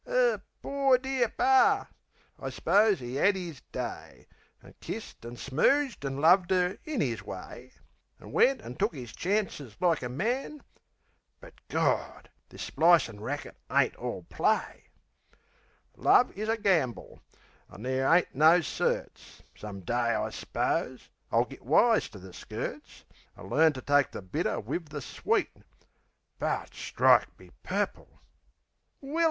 'Er "pore dear Par"...I s'pose 'e 'ad 'is day, An' kissed an' smooged an' loved 'er in 'is way. An' wed an' took 'is chances like a man But, Gawd, this splicin' racket ain't all play. Love is a gamble, an' there ain't no certs. Some day, I s'pose, I'll git wise to the skirts, An' learn to take the bitter wiv the sweet... But, strike me purple! "Willy!" THAT'S wot 'urts.